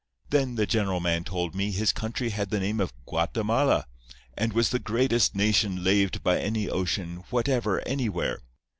Then the general man told me his country had the name of Guatemala, and was the greatest nation laved by any ocean whatever anywhere.